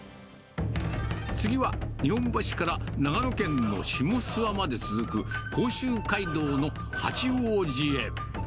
次は、日本橋から長野県の下諏訪まで続く甲州街道の八王子へ。